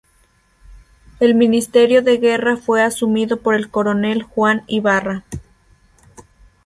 El ministerio de Guerra fue asumido por el coronel Juan Ibarra.